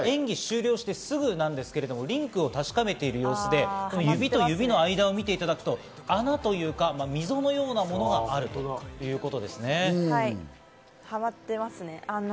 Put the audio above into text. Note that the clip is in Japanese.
すぐなんですけれども、リンクを確かめている様子で指と指の間を見ていただくと穴というか溝のようなものがあるといハマってますね。